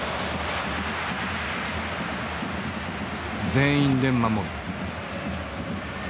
全員で守る。